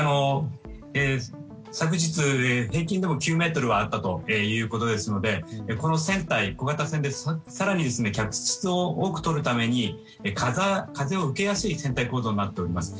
昨日、平均でも９メートルはあったということですのでこの船体は小型船で更に客室を多くとるために風を受けやすい船体構造になっております。